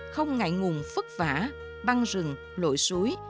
không ngại ngùng phức vả băng rừng lội suối